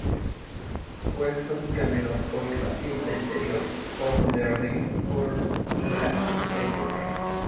Weston caminó por la pista interior y O'Leary por la interior.